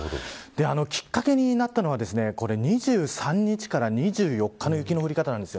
きっかけになったのは２３日から２４日の雪の降り方なんです。